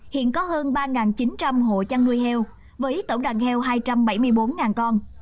hiện có hơn ba chín trăm linh hộ chăn nuôi heo với tổng đàn heo hai trăm bảy mươi bốn con